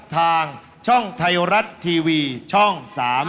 ทางช่องไทยรัฐทีวีช่อง๓๒